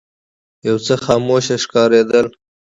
یو څه خاموش ښکارېدل.